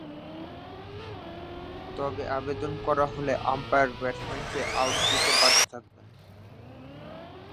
তবে আবেদন করা হলে আম্পায়ার ব্যাটসম্যানকে আউট দিতে বাধ্য থাকবেন।